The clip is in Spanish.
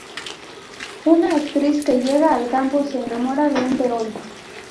Una actriz que llega al campo se enamora de un peón.